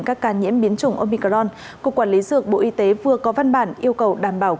các ca nhiễm biến chủng opicron cục quản lý dược bộ y tế vừa có văn bản yêu cầu đảm bảo